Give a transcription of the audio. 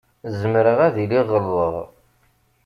Zemreɣ ad iliɣ ɣelḍeɣ.